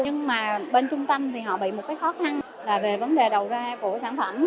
nhưng mà bên trung tâm thì họ bị một cái khó khăn là về vấn đề đầu ra của sản phẩm